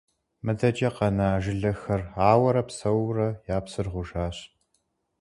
МыдэкӀэ къэна жылэхэр ауэрэ псэуурэ, я псыр гъужащ.